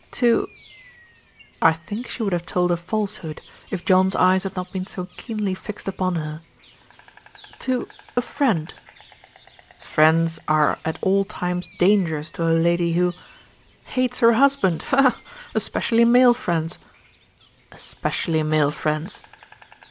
"To " I think she would have told a falsehood, if John's eyes had not been so keenly fixed upon her. "To a friend." "Friends are at all times dangerous to a lady who " "Hates her husband ha! ha! Especially male friends?" "Especially male friends."